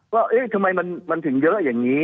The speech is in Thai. บอกทำไมมันถึงเยอะอย่างนี้